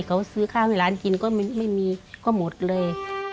เขาซื้อข้าวให้ร้านกินก็ไม่มีก็หมดเลย